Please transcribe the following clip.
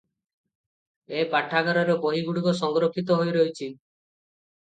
ଏ ପାଠାଗାରରେ ବହିଗୁଡ଼ିକ ସଂରକ୍ଷିତ ହୋଇରହିଛି ।